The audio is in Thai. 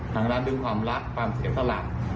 ทั้งด้านดึงความรักความเสียสลัด